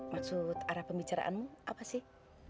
maksud arah pembicaraanmu apa sih